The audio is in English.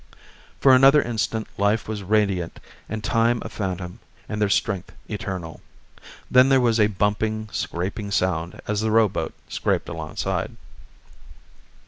For another instant life was radiant and time a phantom and their strength eternal then there was a bumping, scraping sound as the rowboat scraped alongside.